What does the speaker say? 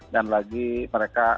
dan lagi mereka